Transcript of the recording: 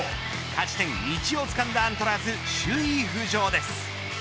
勝ち点１をつかんだアントラーズ首位浮上です。